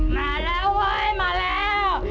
มาแล้วเว้ยมาแล้ว